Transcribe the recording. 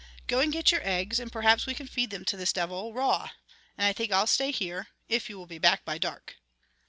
Go and get your eggs and perhaps we can feed them to this devil raw.... And I think I'll stay here, if you will be back by dark."